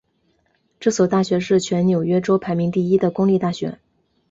这所大学是全纽约州排名第一的公立大学。